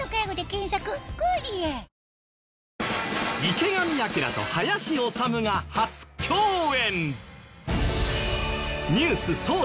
池上彰と林修が初共演！